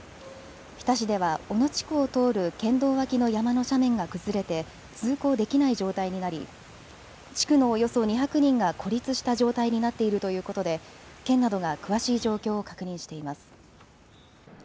日田市では小野地区を通る県道脇の山の斜面が崩れて通行できない状態になり地区のおよそ２００人が孤立した状態になっているということで県などが詳しい状況を確認しています。